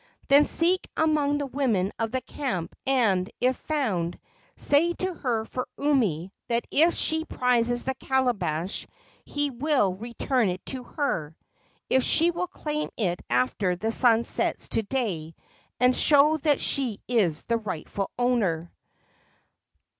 "Then seek among the women of the camp, and, if found, say to her for Umi that if she prizes the calabash he will return it to her, if she will claim it after the sun sets to day and show that she is the rightful owner."